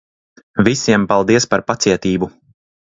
Visiem, paldies par pacietību.